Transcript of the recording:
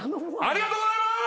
ありがとうございます！